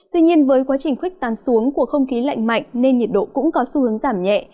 tuy nhiên với quá trình khuếch tán xuống của không khí lạnh mạnh nên nhiệt độ cũng có xu hướng giảm nhẹ